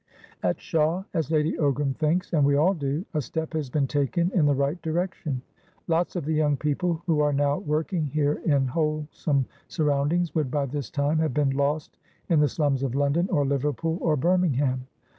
At Shawe, as Lady Ogram thinks, and we all do, a step has been taken in the right direction. Lots of the young people who are now working here in wholesome surroundings would by this time have been lost in the slums of London or Liverpool or Birmingham.